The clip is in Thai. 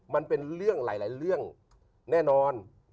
มันเป็นเรื่องหลายเรื่องแน่นอน